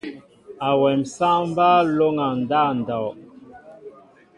Awem sááŋ mbaa lóŋgá ndáw ndow.